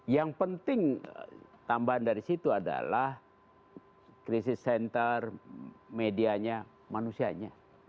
yang penting tambahan dari situ adalah krisis center medianya manusianya